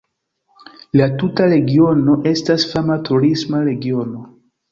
La tuta regiono estas fama turisma regiono.